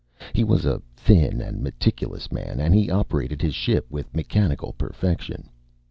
He was a thin and meticulous man, and he operated his ship with mechanical perfection.